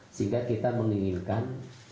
sehingga kita menginginkan